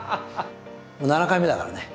もう７回目だからね。